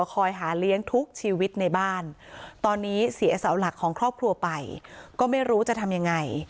คอยหาเลี้ยงทุกชีวิตในบ้านตอนนี้เสียเสาหลักของครอบครัวไปก็ไม่รู้จะทำยังไง